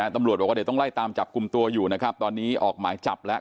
ตำรวจบอกว่าเดี๋ยวต้องไล่ตามจับกลุ่มตัวอยู่นะครับตอนนี้ออกหมายจับแล้ว